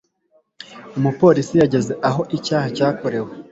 Umupolisi yageze aho icyaha cyakorewe.